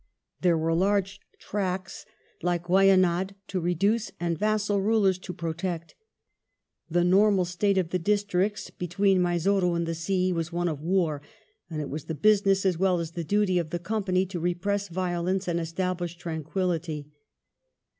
There were large tracts, like Wynaad, to reduce, and vassal rulers to pro tect. The normal state of the districts between Mysore and the sea was one of war, and it was the business as well as duty of the Company to repress violence and establish tranquillity.